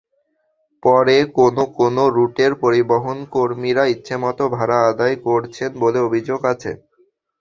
ফলে কোনো কোনো রুটের পরিবহনকর্মীরা ইচ্ছেমতো ভাড়া আদায় করছেন বলে অভিযোগ আছে।